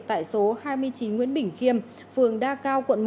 tại số hai mươi chín nguyễn bình khiêm phường đa cao quận một